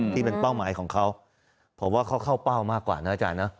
ที่เป็นเป้าหมายของเขาผมว่าเขาเข้าเป้ามากกว่านะอาจารย์นะ